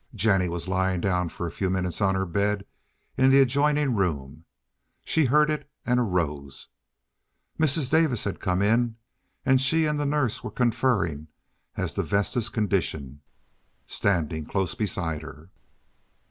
Jennie was lying down for a few minutes on her bed in the adjoining room. She heard it and arose. Mrs. Davis had come in, and she and the nurse were conferring as to Vesta's condition—standing close beside her.